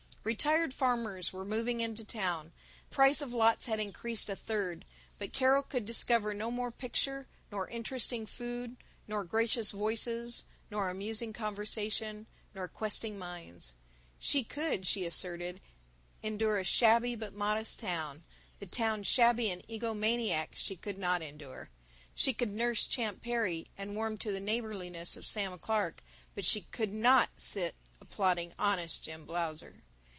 Retired farmers were moving into town. The price of lots had increased a third. But Carol could discover no more pictures nor interesting food nor gracious voices nor amusing conversation nor questing minds. She could, she asserted, endure a shabby but modest town; the town shabby and egomaniac she could not endure. She could nurse Champ Perry, and warm to the neighborliness of Sam Clark, but she could not sit applauding Honest Jim Blausser.